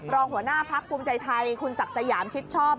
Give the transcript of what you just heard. รองหัวหน้าพักภูมิใจไทยคุณศักดิ์สยามชิดชอบ